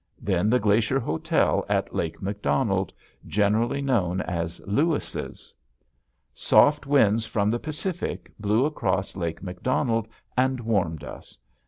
Then the Glacier Hotel at Lake Macdonald, generally known as "Lewis's." Soft winds from the Pacific blew across Lake Macdonald and warmed us.